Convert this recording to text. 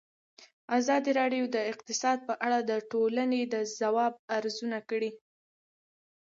ازادي راډیو د اقتصاد په اړه د ټولنې د ځواب ارزونه کړې.